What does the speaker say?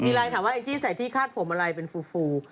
มีไลน์ถามว่าแองจี้ใส่ที่คาดผมอะไรเป็นฟู